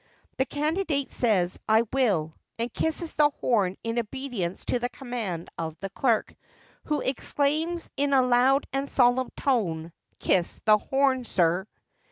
The CANDIDATE says 'I will,' and kisses the horn in obedience to the command of the CLERK, who exclaims in a loud and solemn tone, 'Kiss the horn, sir!